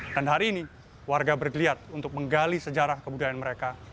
dan hari ini warga bergeliat untuk menggali sejarah kebudayaan mereka